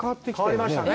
変わりましたね。